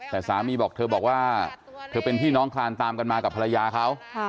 แต่สามีบอกเธอบอกว่าเธอเป็นพี่น้องคลานตามกันมากับภรรยาเขา